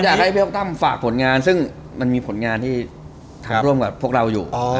อยากให้พี่อ๊ตั้มฝากผลงานซึ่งมันมีผลงานที่ทำร่วมกับพวกเราอยู่